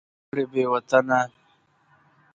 په کوهي کي لاندي څه کړې بې وطنه